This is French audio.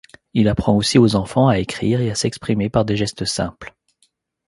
Il apprend aussi aux enfants à écrire et à s'exprimer par des gestes simples.